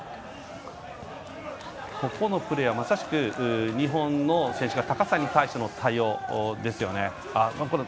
ここのプレーは、まさしく日本の選手が高さに対しての対応ですよね。